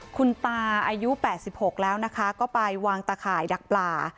คุณตาอายุแปดสิบหกแล้วนะคะก็ไปวางตาข่ายดักปลา